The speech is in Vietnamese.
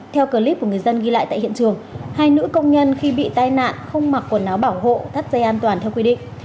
theo clip của người dân ghi lại tại hiện trường hai nữ công nhân khi bị tai nạn không mặc quần áo bảo hộ thắt dây an toàn theo quy định